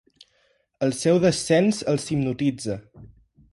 El seu descens els hipnotitza.